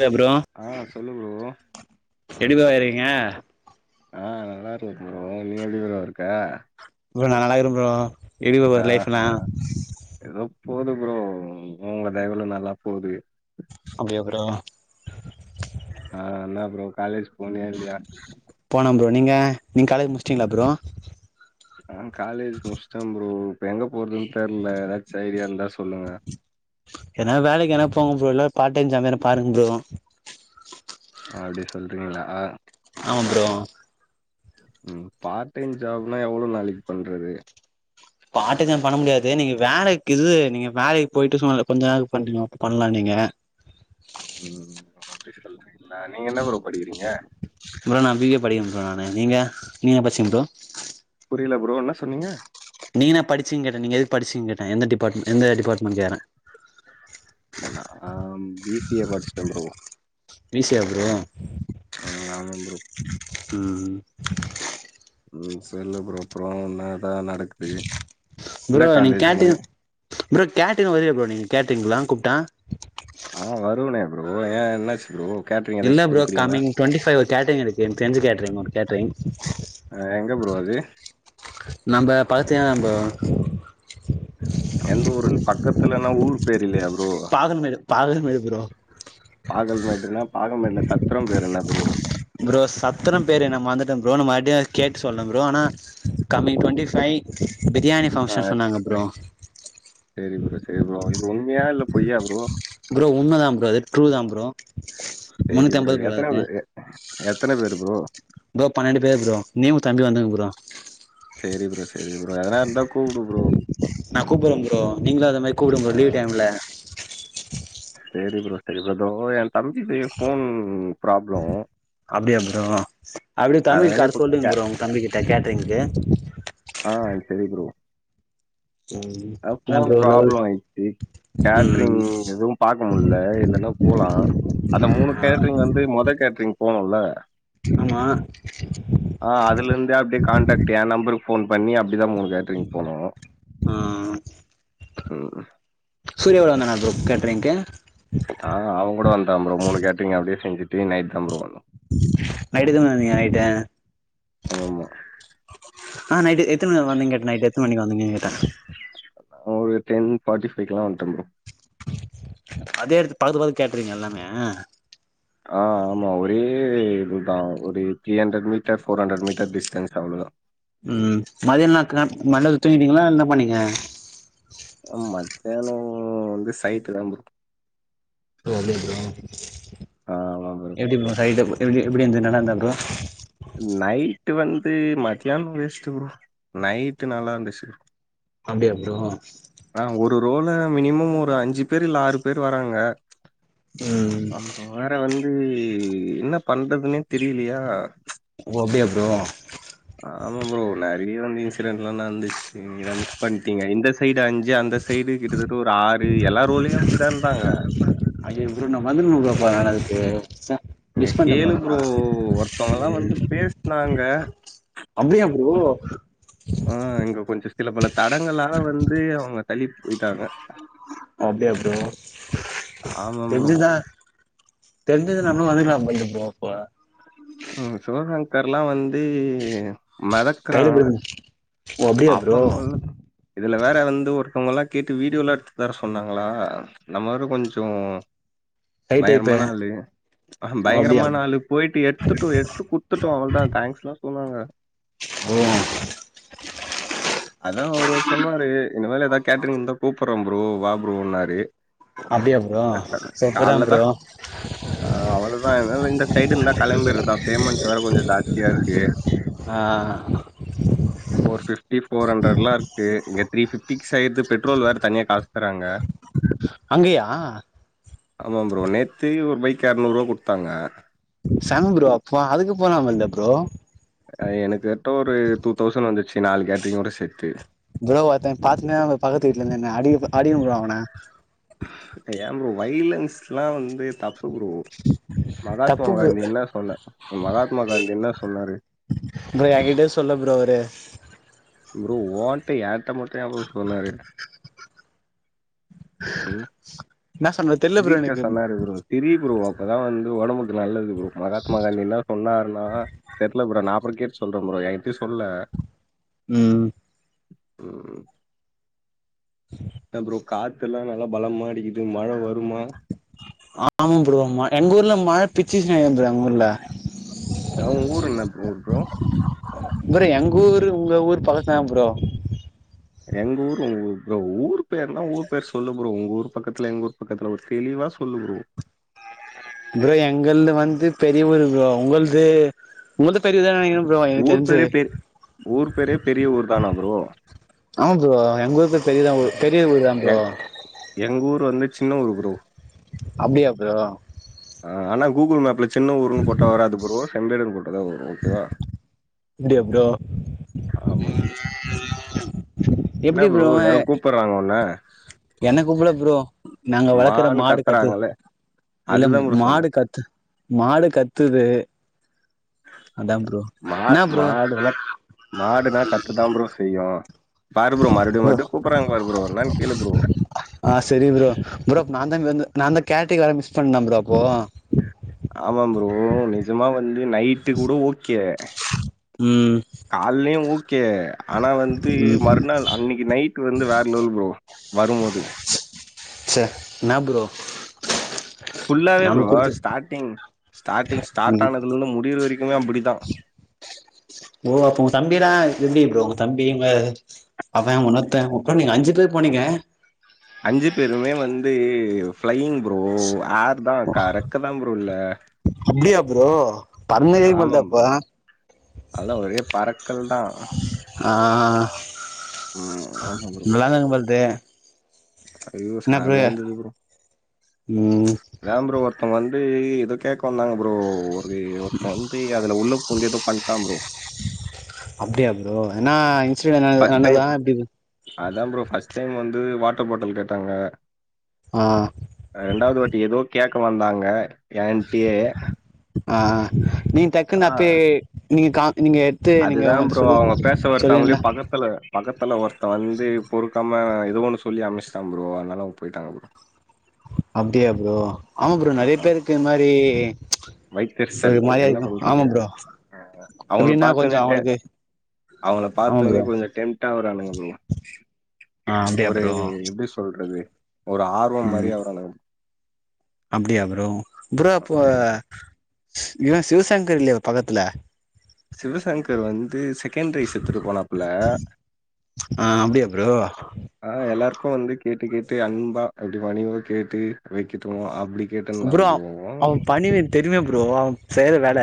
சா ப்ரோ ஆ சொல்லு ப்ரோ எப்டிபா இருகிறிங்க ஆ நல்லா இருக்கு ப்ரோ நீ எப்டி ப்ரோ இருக்க ப்ரோ நா நல்லாருக்கிறே ப்ரோ எப்டி ப்ரோ போது லைஃப் னா எதோ போது ப்ரோ உங்க தயவுல நல்லா போகுது அப்டியா ப்ரோ ஆ என்னா ப்ரோ காலேஜ் போனியா இல்லையா போனே ப்ரோ நீங்க நீங்க காலேஜ் முடிச்சிட்டீங்களா ப்ரோ ஆ காலேஜ் முஸ்டே ப்ரோ இப்ப எங்க போறதுன்னு தெர்ல எதாச்சு ஐடியா இருந்தா சொல்லுங்க எதனா வேலைக்கு எங்கனா போங்க ப்ரோ இல்ல பார்ட் டைம் ஜாப் எதனா பாருங் ப்ரோ அப்டி சொல்றீங்களா ஆ ஆமா ப்ரோ ம் பார்ட் டைம் ஜாப்னா எவ்ளோ நாளைக்கி பண்றது பார்ட் டைம் ஜாப் பண்ண முடியாது நீங்க வேலைக்கு இது நீங்க வேலைக்கு போயிட்டு சும்மா இந்த கொஞ்ச நாள் பண்றியோ பண்லா நீங்க ம் ஓ அப்டி சொல்றீங்களா நீங்க என்ன ப்ரோ படிக்கிறீங்க ப்ரோ நா பி ஏ படிக்கிறே ப்ரோ நானு நீங்க நீங்க என்ன படிச்சீங்க ப்ரோ புரில ப்ரோ என்ன சொன்னீங்க நீங்க என்ன படிச்சிங்கே கேட்டே நீங்க எது படிச்சிங் கேட்டே எந்த டிபார்ட்மெண்ட் எந்த டிபார்ட்மெண்ட் கேக்றே நா பி சி ஏ படிச்சேடே ப்ரோ ஈசியா ப்ரோ ஆ ஆமா ப்ரோ ம் ம் சொல்லு ப்ரோ அப்றோ என்னாதா நடக்குது எந்த ப்ரோ காலேஜ் நீங்க கேட்டீங் ப்ரோ கேட்ரிங் வருவியா ப்ரோ நீங்க கேட்ரிங் ல்லா கூப்டா ஆ வருவனே ப்ரோ ஏ என்னாச்சு ப்ரோ கேட்ரிங் இல்ல ஏதாச்சு ப்ரோ புடிக்கிறீங்களா கம்மிங் டுவென்ட்டி ஃபைவ் ஒரு கேட்ரிங் இருக்கு எனக்கு தெரிஞ்ச கேட்ரிங் ஒரு கேட்ரிங் என்ன ப்ரோ அது நம்ம பாத்தினா ப்ரோ எந்த ஊரு பக்கத்துலன்னா ஊர் பேரியில்லையா பாகண்மேடு பாகண்மேடு ப்ரோ பாகல் மாினா பாக மாினா சத்ரோ பேரு என்ன ப்ரோ ப்ரோ சத்தர பேரு என்ன நா வந்து மறதுட்ட ப்ரோ நம் மறுபடியு கேட்டு சொல்ற ப்ரோ ஆனா coming twenty five biryani function சொன்னாங்க ப்ரோ சேரி ப்ரோ சரி ப்ரோ இது உண்மையா இல்ல பொய்யா ப்ரோ ப்ரோ உண்மதா ப்ரோ ட்ரூ தா ப்ரோ சரி முன்னூத்தி ப்ரோ ஐம்பது எத்தன அதுக்கு பேரு எத்தன பேர் ப்ரோ ப்ரோ பன்னெண்டு பேரு ப்ரோ நீயு ஒ தம்பி வந்துங்க ப்ரோ சரி ப்ரோ சரி ப்ரோ எதனா எந்தா நா கூப்பட்ற ப்ரோ நீங்களு அத மாரி கூப்டுங்க ஆ ப்ரோ லீவ் டைம்ல சரி ப்ரோ ப்ரோ தோ எ தம்பி பைய ஃபோன் ப்ராப்ளம் அப்டியா ப்ரோ அப்டியே தம்பி அதனால [unintelligible] இப்ப சொல்றீங்க கே ப்ரோ உங்க தம்பி கிட்ட கேட்ரிங்கு ஆ சரி ப்ரோ ம் அ என்ன ஃபோன் ப்ரோ லெவல் பிராப்ளம் ஆயிர்ச்சி கேட்ரிங் ம் எதுவு பாக்க முல்ல இல்லன்னா போலா அந்த மூணு ஆ கேட்ரிங் வந்து மொத கேட்ரிங் போனோல்ல ஆமா ஆ அதுல இருந்தே அப்டே காண்டக்ட் எ நம்பருக்கு ஃபோன் பண்ணி அப்டிதா மூணு கேட்ரிங் போனோ ஆ ம் சூரியா வரனா [unintelligible] கேட்ரிங்க்கு ஆ அவ கூட வந்தா ப்ரோ மூணு கேட்ரிங் அப்டியே செஞ்சுட்டு நைட் தா வந்தோ நைட்டு தான வருவீங்க நைட்டு ஆமா. ஆ நைட்டுக்கு எத்தன மணிக்கு வந்தீங்க எத்தன மணிக்கு வந்தீங்க கேட்ட அ ஒரு டென் ஃபார்டி ஃபைக் லா வன்ட்ட ப்ரோ அதே எடத்து பக்கத்து கேட்ரிங்க எல்லாமே ஆ ஆமா ஒரே இதுதா ஒரு three hundred metres four hundred metre distance அவ்ளோதா ம் மதியான நேத்துல மண்டத்துல தூங்கிட்டீங்களா என்ன பண்ணிங்க ம் மத்யானோ வந்து சைட்டுதா ப்ரோ அப்டியா ப்ரோ எப்டி ப்ரோ சைட் எ எப்டி இருந்த நல்லாந்தா ப்ரோ நைட் வந்து மத்யான வேஸ்ட்டு ப்ரோ நைட் நல்லா இருந்துச்சு அப்டியா ப்ரோ ஆ ஒரு ரோல மினிமம் ஒரு அஞ்சு பேர் இல்ல ஆறு பேர் வராங்க ம் அங் வேற வந்து என்ன பண்றதுன்னே தெரியலயா ஓ அப்டியா ப்ரோ ஆமா ப்ரோ நெறைய வந்து இன்சிடென்லா நந்துச்சு நீங்கதா மிஸ் பண்ணிட்டீங்க இந்த சைடு அஞ்சு அந்த சைடு கிட்டதட் டூராறு எல்லா ரோலயு அப்டிதா இருந்தாங்க ஐயோ ப்ரோ நா வந்துனுக்ன ப்ரோ நா அதுக்கு ச நீ கேளு ப்ரோ ஒருத்தவங்கல்லா வந்து பேஸ்னாங்க அப்டியா ப்ரோ ஆ இங்க கொஞ்சோ சில பல தடங்களால வந்து அவங்க தள்ளி போயிட்டாங்க அப்டியா ப்ரோ ஆமா ப்ரோ. தெருஞ்சிந்தா தெருஞ்சுருந்தா நம்மளு வந்துக்லா ப்ரோ அப்போ ம் சிவசங்கர்லா வந்து மெதக் குறா கைல புடிங்க ஓ அப்டியா அவ ப்ரோ [unintelligible] இதுல வேற வந்து ஒருத்தவங்க எல்லா கேட்டு வீடியோலா எடுத்து தர சொன்னாங்களா நம்ம வேற கொஞ்சோ கை டைப்பு பயங்கரமான ஆளு ஆ ஓ அப்டியா பயங்கரமான ஆளு போயிட்டு எட்த் எடுத்து குடுத்துட்டோ அவ்ளதா தேங்க்ஸ்லா சொன்னாங்க ஓ அதா அவரு சொன்னாரு இனிமேல் ஏதாவது கேட்ரிங் இருந்தா கூப்பட்றே ப்ரோ வா ப்ரோ ன்னாரு அப்டியா ப்ரோ செப் ப்ரோ ஆ அவ்ளதா அன்னால இந்த சைடு இந்தா கெளம்பிறதா பேமெண்ட் வேற கொஞ்சோ ஜாஸ்தியா இருக்கு ஆ ஃபோர் பிஃப்டி ஃபோர்ஹண்ட்ரட்லா இருக்கு இங்க த்ர பிஃப்டிக்கி ஃபிக்ஸாயிது பெட்ரோல் வேற தனியா காசு தராங்க அங்கயா ஆமா ப்ரோ நேத்து ஒரு பைக் எரநூறுவா குடுத்தாங்க செம ப்ரோ அப்போ அதுக்கு போலாமல்ல ப்ரோ எனக்கு கரட்டா ஒரு டூ தௌசண்ட் வந்துச்சு நாலு கேட்ரிங் ஒட சேத்து ப்ரோ ஒத்த என்ன பாத்னே பக்கத்து வீட்லருந்து என்ன அடி அடிங்க ப்ரோ அவன ஏ ப்ரோ வைலன்ஸ்ல்லா வந்து தப் பு ப்ரோ தப்பு மகாத்மா ப்ரோ காந்தி என்ன சொன்ன மகாத்மா காந்தி என்ன சொன்னாரு ப்ரோ ஏங்கிட்ட சொல்லு ப்ரோ அவரு ப்ரோ ஓன்டாட ஏன்ட்ட மட்டுயா ப்ரோ சொன்னாரு ம் என்ன சொல்றது தெர்ல ப்ரோ தரீக்ளாஸ் எனக்கு நல்லாருக்கு ப்ரோ சிரி ப்ரோ அப்பதா வந்து ஒடம்புக்கு நல்லது ப்ரோ மகாத்மா காந்தி என்ன சொன்னாருன்னா தெர்ல ப்ரோ நா அப்றோ கேட் சொல்றே ப்ரோ என்கிட்யு சொல்ல ம் ம் ம் அதா ப்ரோ காத்துல்லா நல்லா பலமாடிக்குது மழ வருமா ஆமா ப்ரோ ம எங்கூர்ல மழ பிச்சுச்சு எங்கூர்ல அ உங் ஊர் என்ன ப்ரோ ப்ரோ ப்ரோ எங்க ஊரு உங்க ஊர் பக்கத்துலதா ப்ரோ எங்க ஊர் உங்க ஊ ஊர் பேர்னா ஊர் பேர் சொல்லு ப்ரோ உங்க ஊர் பக்கத்துல எங்க ஊர் பக்கத்துல ஒரு தெளிவா சொல்லு ப்ரோ ப்ரோ எங்கள்து வந்து பெரிய ஊரு ப்ரோ உங்கள்து உங்கள்து பெரியதா நெனைக்கிறே ப் ஊர் பேரே பே ஊர் பேரே பெரிய ஊர் தானா ப்ரோ ஆமா ப்ரோ எங்க ஊருக்கு பெரிய தா ஊ பெரிய ஊரு தா எ ப்ரோ எங்க ஊர் வந்து சின்ன ஊர் ப்ரோ அப்டியா ப்ரோ ஆ ஆனா கூகுள் மேப்ல சின்ன ஊருன்னு போட்டா வராது அது ப்ரோ செம்பேடுன்னு போட்டதா வரு ஓகேவா அப்டியோ ப்ரோ ஆமா என்னா ப்ரோ யாரோ கூப்பறாங்க உன்ன என்ன கூப்பள ப்ரோ நாங்க வளக்கற மான்னு மாடு கத்து கத்துறாங்கல்ல இல்லங் அதுதா ப்ரோ சொன்னே மாடு கத்து மாடு கத்துது அதா ப்ரோ மா என்னா ப்ரோ மாடுனா மாடுனா கத்ததா ப்ரோ செய்யு பாரு ப்ரோ மறுபடியு மறுபடியு கூப்பறாங்க பாரு ப்ரோ என்னான் கேளு ப்ரோ ஆ செரி ப்ரோ ப்ரோ நா தா நந்த நாந்தா கேட்ரிங் வேற மிஸ் பண்ண ப்ரோ அப்போ ஆமா ப்ரோ நிஜமா வந்து நைட்டு கூட ஓகே ம் கால்லயு ஓகே ஆனா வந்து மறுநாள் அன்னிக்கு நைட்டு வந்து வேற லெவல் ப்ரோ வருமோது சா என்னா ப்ரோ ஃபுல்லாவே ப்ரோ நமக்கு குடுத்து ஸ்டாட்டிங் ஸ்டாட்டிங் ம் ஸ்டார்ட்டானதுலந்து முடிற வரைக்குமே அப்டிதா ஓ அப்போ உங்க தம்பிதா எப்டிப ப்ரோ உங்க தம்பிங்க அவன் உன்னொத்த அப்றோ நீங்க அஞ்சி பேர் போனிங்க அஞ்சி பேருமே வந்து ஃபிளையிங் ப்ரோ ஆர்தா கரக்க தா ப்ரோ இல்ல இப்டியா ப்ரோ பறந்துகிற போல்தா அப்போ அதா ஒரே பறக்கல் தா ஆ ம் ஆமா ப்ரோ பிளாங்கங் போல்தே ஐயோ செமயா இருந்தது ப்ரோ ம் ஏன் ப்ரோ ஒருத்தன் வந்து எதோ கேக்க வந்தாங்க ப்ரோ ஒரு ஒருத்தன் வந் து அதுல உள்ள பூந்து எதோ பன்ட்டா ப்ரோ அப்டியா ப்ரோ ஏன்னா பஸ்ட் டைம் அதா ப்ரோ ஃபஸ்ட் டைம் வந்து வாட்டர் பாட்டல் கேட்டாங்க ஆ ரண்டாவது வாட்டி எதோ கேக்க வந்தாங்க ஏன்ட்டியே ஆ நீங்க டக்குன்னூ அப்பே நீங்க கா நீங்க தே நீங்க அவங்கள்ட்ட சொல்லு சொல்லிந்தா தல பக்கத்துல ஒருத்தன் வந்து பொறுக்காம எதோ ஒண்ணு சொல்லி அமிச்சிட்டா ப்ரோ அதனால அவுங்க போயிட்டாங்க ப்ரோ அப்டியா ப்ரோ ஆமா ப்ரோ நறையா பேருக்கு இது மாரி வைத்தெர்சல் ஒரு மாரியா என்ன இருக்கு பண்றது ஆமா ப்ரோ ஆ ஆ அவுங்கள எப்டின்னா பாத்த கொஞ்சோ நேட்டே அவங்களுக்கு அவுங்கல ஆமா பாத்த ஒன்னயே ப்ரோ கொஞ்சோ டெம் டாவரானுங்க ப்ரோ ஆ அப்டியா ஒரு ப்ரோ எப்டி சொல்றது ஒரு ஆ ரோம் மாரி ம் ஆவரானுங்க அப்டியா ப்ரோ ப்ரோ அப்போ ஆவுறானுங்க இவன் சிவசங்கர் இல்லையா பக்கத்துல சிவசங்கர் வந்து சிக்கன் ரைஸ் எத்துட்டு போனப்புல ஆ அப்டியா ப்ரோ ஆ எல்லாருக்கும் வந்து கேட்டு கேட்டு அன்பா அப்டி பணிவா கேட்டு வைக்கிட்டும் அப்டி கேட்டுந்தான் ப்ரோ அவன் தெரியுமே ப்ரோ அவன் செய்யற வேல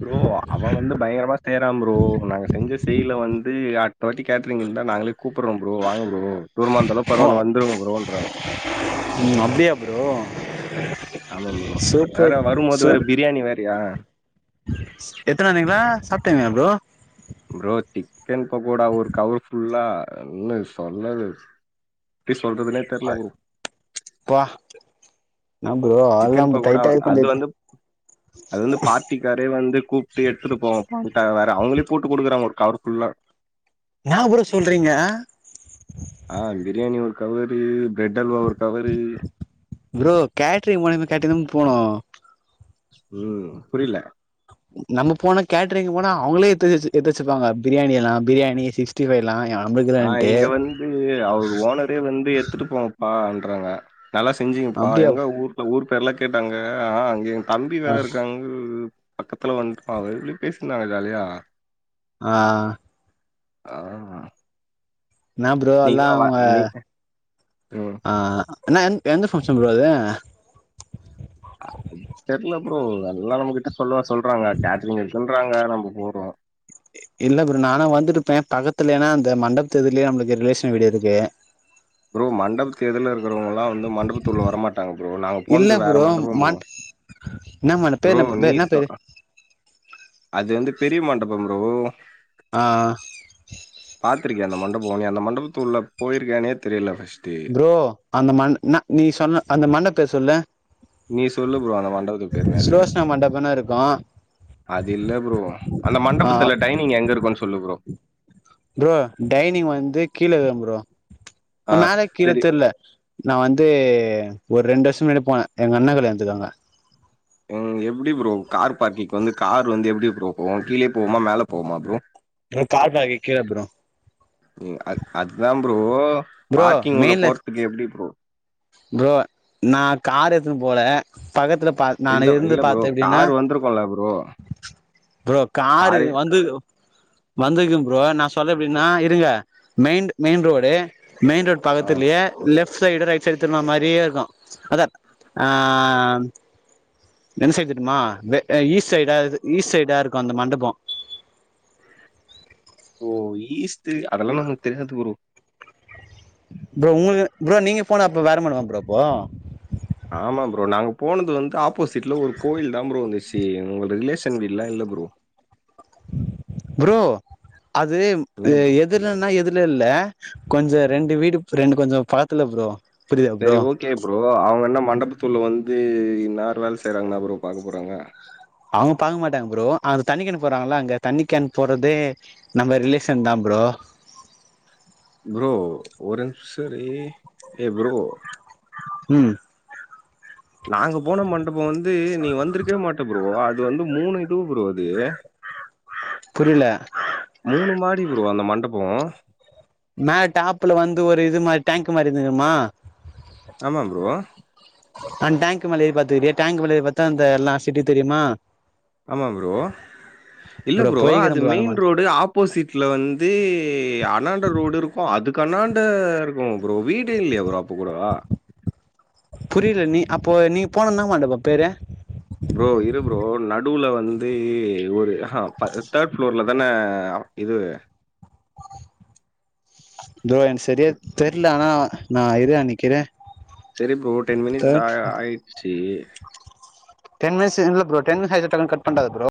ப்ரோ அவன் வந்து பயங்கரமா செய்றான் ப்ரோ நாங்க செஞ்ச செய்ல வந்து அடு த்த வாட்டி கேட்ரிங்க் இருந்தா நாங்களே கூப்பறம் ப்ரோ வாங்க ப்ரோ தூரமாந்தாளும் ஓ பரவாயில்ல வந்துருங்க ப்ரோன்றாங்க ம் அப்டியா ப்ரோ ஆமா ப்ரோ வேற சூப்பர் வருமோது வேற பிரியாணி வேறயா எத்தன வந்தீங்களா சாப்பிட்ங்களா ப்ரோ ப்ரோ சிக்கன் பக்கோடா ஒரு கவர்ஃபுல்லா என்ன சொன்னது எப்டி சொல்றதுனோ தெர்ல ப்ரோ ப்பா என்ன ப்ரோ சிக்கன் ஆல்லாம் பக்கோடா டைட் [unintelligible] குட்டிக்காரே வந்து கூப்ட்டு எடுத்துட் போவு [inaudible] வேற அவுங்களே பூட்டு குடுக்கறாங்க ஒரு கவர் ஃபுல்லா என்னா ப்ரோ சொல்றீங்க ஆ பிரியாணி ஒரு கவரு ப்ரெட் அல்வா ஒரு கவரு ப்ரோ கேட்டரிங் முலியமா கேட்டதும் போனோ ம் புரில நம்ம போனா கேட்டரிங்கு போனா அவுங்களே எத்துவெச்சு எத்துவெச்சுப்பாங்க பிரியாணி எல்லா பிரியாணி சிக்ஸ் டி ஃபைவ்லா [unintelligible] அப்டியே வந்து எடுத்துட் போங்கப்பான்றாங்க நல்லா செஞ்சிங்ப்பா அப்டியா எங்க ஊர் ஊர் பேர்ல்லா கேட்டாங்க ஆ அங்கே எ தம்பி ஆ வேற இருக்காங் ம் ம் ம் பக்கத்துல வந்துருப்பா [unintelligible] பேசிருந்தாங்க ஜாலியா ஆ [inaudible] என்ன ப்ரோ அல்லா நீங்களா வ அவுங்க நீ ம். ஆ அனா என் எந்த ஃபங்க்ஷன் ப்ரோ அது தெர்ல ப்ரோ அதல்லா நம்மகிட்ட பெதுவா சொல்றாங்க டேஜ்லிங் இருக்கு சொல்றாங்க நம்ம போறோ இல்ல ப்ரோ நானா வந்துருப்பே பக்கத்துல ஏன்னா அந்த மண்டபத் எதிர்லயே நம்முளுக்கு ரிலேஷன் வீடு இருக்கு ப்ரோ மண்டபத் எதிர்ல இருக்கிறவங்கல்லா வந்து மண்டபத்துகுள்ள வரமாட்டங்க ப்ரோ நாங்க இல்ல போனது வேற ப்ரோ மண்டப ப்ரோ மண் என்ன மண்ட பேர் ப்ரோ என்ன நீ என்ன சொ பேரு அது வந்து பெரிய மண்டபம் ப்ரோ ஆ ஆ பாத்துருக்கியா அந்த மண்டபோ நீ அந்த மண்டபத்துள்ள போயிருக்கியானே தெர்ல ஃபர்ஸ்ட்டு ப்ரோ அந்த மண்ட் ந நீ சொன்ன அந்த மண்ட பேர் சொல்லு நீ சொல்லு ப்ரோ அந்த மண்டபத்துக் பேர் என்ன சுலோஷ்சனா மண்டபன் இருக்கு அது இல்ல ப்ரோ அந்த ஆ மண்டபத்துல டைனிங் எங்க இருக்குன் சொல்லு ப்ரோ ப்ரோ டைனிங் வந்து கீழேதா ப்ரோ ஆ அ மேலே கீழே சரி தெர்ல நா வந்து ஓர் ரெண்டு வருஷ முன்னாடி போனே எங் அண்ணா கல்யாண்துக்கு அங்க ம் எப்டி ப்ரோ கார் பார்க்கிங்க் வந்து கார் வந்து எப்டி ப்ரோ போவு கீழே போவுமா மேல போவுமா ப்ரோ ப்ரோ கார் பார்க்கிங் கிழ ப்ரோ ம் அத் அதுதா ப்ரோ ப்ரோ பார்க்கிங் உள்ள மெயின்ல போறதுக் எப்டி ப்ரோ ப்ரோ நா கார் எடுத்துன் போவல பக்கத்தில பார் நான் இல்ல இருந்து இல்ல ப்ரோ பாத்தே எப்டின்னா கார் வந்திருக்கும்ல ப்ரோ. ப்ரோ காரு காரே வந்து வந்துருக்க ப்ரோ நா சொல்ற எப்டின்னா இருங்க main main road main road ஆ பக்கத்திர்லயே லெஃப்ட் சைடு ரைட் செலுத்திருன மாரியே இருக்கு அதா ஆ என்ன செய்துட்டுமா வே ஈஸ்ட் சைடா இது ஈஸ்ட் சைடா இருக்கு அந்த மண்டபோ ஓ ஈஸ்ட்டு அதெல்லா நமக் தெரியாது ப்ரோ ப்ரோ உங்குளுக்கு ப்ரோ நீங்க போன அப்போ வேற மாறி இருக்கா ப்ரோ அப்போ ஆமா ப்ரோ நாங்க போனத் வந்து ஆப்போசிட்ல ஒரு கோவில் தா ப்ரோ வந்திச்சு உங்க ரிலேஷன் வீட்லா இல்ல ப்ரோ ப்ரோ அது எ என்ன ப்ரோ? எத் இதுலன்னா எதுல இல்ல கொஞ்ச ரெண்டு வீடு ரெண்டு கொஞ்ச பாத்துல ப்ரோ புரியுதா சரி ப்ரோ ஓகே ப்ரோ அவுங்க என்ன மண்டபத்துல வந்து இன்னாறு வேல செய்கிறாங்கண்ணா ப்ரோ பாக்க போறாங்க அவுங்க பாக்க மாட்டாங்க ப்ரோ அந்த தண்ணி கேன் போறாங்களா அங்க தண்ணி கேன் போறதே நம்ம ரிலேஷன் தா ப்ரோ ப்ரோ ஒரின்ஸ் சரி ஏ ப்ரோ ம் நாங்க போன மண்டப வந்து நீ வந்திருக்கவே மாட்ட ப்ரோ அது வந்து மூணு இது ப்ரோ அது புரில்ல மூனு மாடி ப்ரோ அந்த மண்டபோ மே டாப்புல வந்து ஒரு இது மாரி டேங்க்கு மாரி இருந்துக்குமா ஆமா ப்ரோ ஆ டேங்க் மேல ஏறி பாத்துக்கிறியா டேங்க் மேல ஏறி பாத்தா அந்த எல்லா சிட்டி தெரியுமா ஆமா ப்ரோ இல்ல ப்ரோ போய்க்கிறே அது அந்த மெயின் மாரி ரோடு ஆப் போசிட்ல வந்து அனாண்ட ரோடு இருக்கு அதுக் அனாண்ட ம் ப்ரோ வீடு இல்லையா ப்ரோ அப்ப கூட புரில நீ அப்போ நீ போன என்ன மண்டபோ பேரு ப்ரோ இரு ப்ரோ நடுவுல வந்து ஒரு அ தேர்ட் ஃப்ளோர்ல தானே இது ப்ரோ எனக் சரியா தெர்ல ஆனா நா இரு அ நிக்கிறே செரி ப்ரோ டென் மினிட்ஸ் ஆ ஆயிச்சு டென் மின்ஸ் இல்ல ப்ரோ டென் மினிஸ் [unintelligible] கட் பண்டாத ப்ரோ